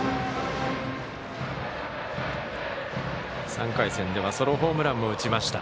３回戦ではソロホームランも打ちました。